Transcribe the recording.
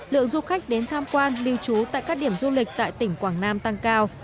lượng du khách đến tham quan lưu trú tại các điểm du lịch tại tỉnh quảng nam tăng cao